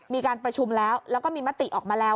มีการประชุมแล้วแล้วก็มีมติออกมาแล้ว